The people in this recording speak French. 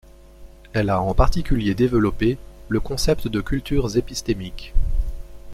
Elle a en particulier développé le concept de cultures épistémiques.